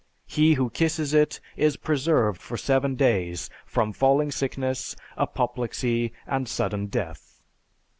He who kisses it is preserved for seven days from falling sickness, apoplexy, and sudden death."